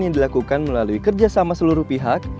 yang dilakukan melalui kerjasama seluruh pihak